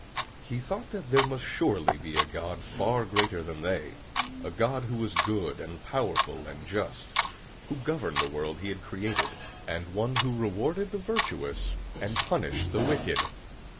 He thought that there must surely be a God far greater than they, a God who was good and powerful and just, who governed the world he had created, and who rewarded the virtuous and punished the wicked.